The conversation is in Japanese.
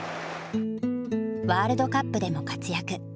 ワールドカップでも活躍。